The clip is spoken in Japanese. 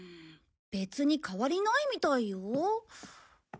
別に変わりないみたいよ。